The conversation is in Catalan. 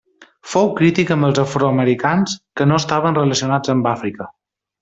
Fou crític amb els afroamericans que no estaven relacionats amb Àfrica.